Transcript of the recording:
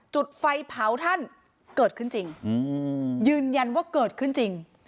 จุดไฟเผาท่านเกิดขึ้นจริงยืนยันว่าเกิดขึ้นจริง